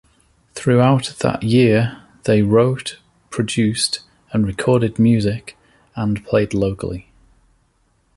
Throughout that year they wrote, produced, and recorded music, and played locally.